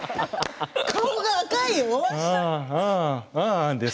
顔が赤い。